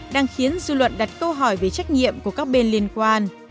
đang khiến dư luận đặt câu hỏi về trách nhiệm của các bên liên quan